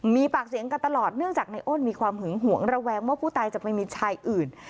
มีปากเสียงกันตลอดเนื่องจากในอ้นมีความหึงหวงระแวงว่าผู้ตายจะไปมีชายอื่น